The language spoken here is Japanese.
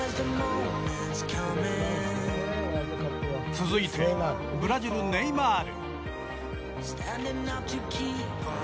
続いてブラジル、ネイマール。